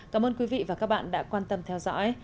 cảm ơn quý vị và các bạn đã quan tâm theo dõi